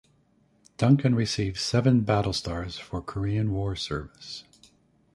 "Duncan" received seven battle stars for Korean War service.